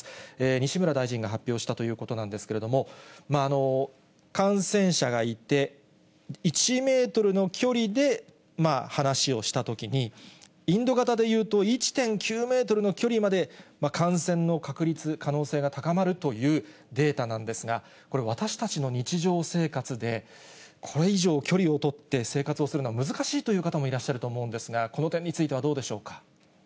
西村大臣が発表したということなんですけれども、感染者がいて、１メートルの距離で話をしたときに、インド型でいうと、１．９メートルの距離まで感染の確率、可能性が高まるというデータなんですが、これ、私たちの日常生活で、これ以上、距離を取って生活をするのは難しいという方もいらっしゃると思うんですが、この点についてはどうでしょうか。